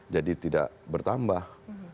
jadi tidak bertambah